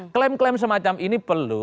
klaim klaim semacam ini perlu